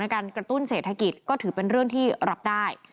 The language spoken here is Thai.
การกระตุ้นเศรษฐกิจก็ถือเป็นเรื่องที่รับได้